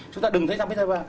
chúng ta đừng thấy rằng